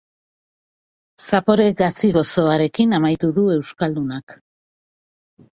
Zapore gazi-gozoarekin amaitu du euskaldunak.